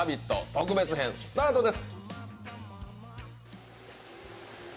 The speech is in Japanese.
特別編スタートです